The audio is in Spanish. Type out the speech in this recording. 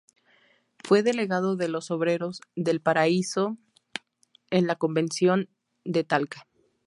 Fue delegado de los obreros de Valparaíso en la convención de Talca.